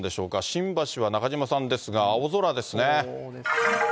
新橋は中島さんですが、青空ですね。